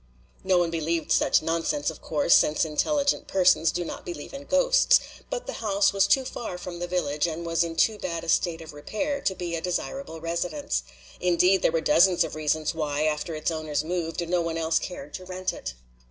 No one believed such nonsense, of course, since intelligent persons do not believe in ghosts. But the house was too far from the village, and was in too bad a state of repair to be a desirable residence. Indeed, there were dozens of reasons why, after its owners moved, no one else cared to rent it.